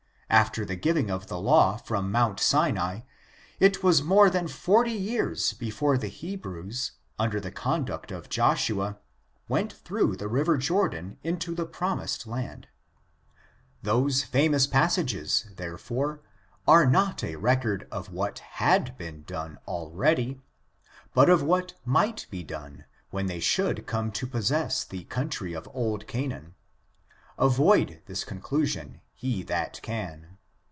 After the giving of the law from Mount Sinai, it was more than ':<: 120 ORIGIN, CHARACTER, AND '. forty years before the Hebrews, under the conduct of Joshua, went through the river Jordan into the prom ised land. Those famous passages, therefore, are not a record of what had been done aheady, but of what might be done when they should come to possess the coun try of old Canaan ; avoid this conclusion he that can.